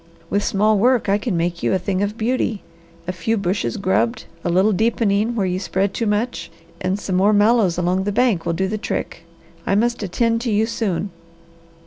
With small work I can make you a thing of beauty. A few bushes grubbed, a little deepening where you spread too much, and some more mallows along the banks will do the trick. I must attend to you soon."